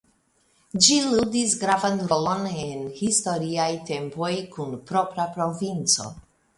Ĝi ludis gravan rolon en historiaj tempopj kun propra provinco.